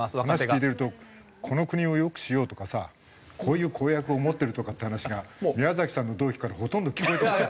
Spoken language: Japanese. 話聞いてるとこの国を良くしようとかさこういう公約を持ってるとかって話が宮崎さんの同期からほとんど聞こえてこない。